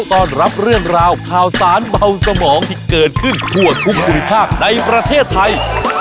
ต้อนรับเรื่องราวข่าวสารเบาสมองที่เกิดขึ้นทั่วทุกภูมิภาคในประเทศไทย